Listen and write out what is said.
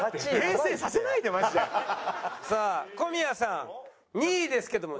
さあ小宮さん２位ですけども。